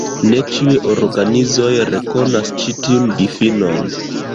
Ne ĉiuj organizoj rekonas ĉi tiun difinon.